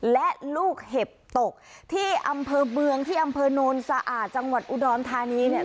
และลูกเห็บตกที่อำเภอเมืองที่อำเภอโนนสะอาดจังหวัดอุดรธานีเนี่ย